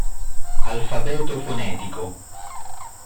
Alfabeto fonetico